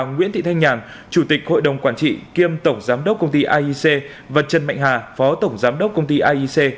nguyễn thị thanh nhàn chủ tịch hội đồng quản trị kiêm tổng giám đốc công ty aic và trần mạnh hà phó tổng giám đốc công ty aic